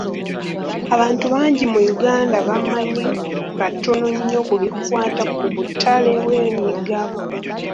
Abantu bangi mu Uganda bamanyi katono nnyo ku bikwaata ku butale bw'emigabo.